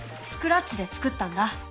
スクラッチでつくったんだ。